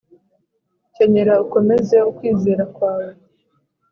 kenyera ukomeze ukwizera kwawe